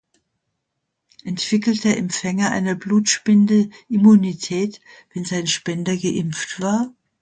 Entwickelt der Empfänger einer Blutspende Immunität, wenn sein Spender geimpft war?